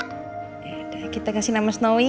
yaudah kita kasih nama snowy ya